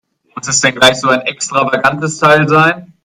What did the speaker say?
Muss es denn gleich so ein extravagantes Teil sein?